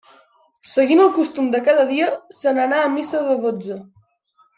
Seguint el costum de cada dia, se n'anà a missa de dotze.